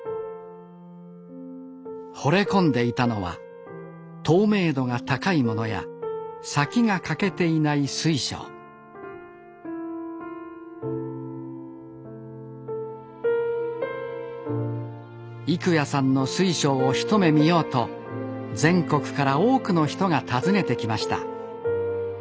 惚れ込んでいたのは透明度が高いものや先が欠けていない水晶育弥さんの水晶を一目見ようと全国から多くの人が訪ねてきました